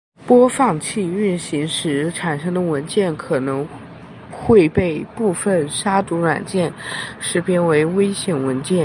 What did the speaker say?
播放器运行时产生的文件可能会被部分杀毒软件识别为危险文件。